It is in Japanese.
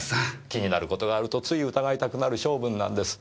気になる事があるとつい疑いたくなる性分なんです。